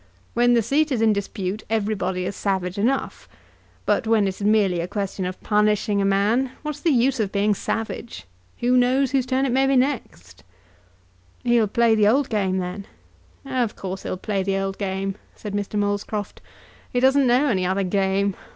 When the seat is in dispute everybody is savage enough; but when it is merely a question of punishing a man, what is the use of being savage? Who knows whose turn it may be next?" "He'll play the old game, then?" "Of course he'll play the old game," said Mr. Molescroft. "He doesn't know any other game.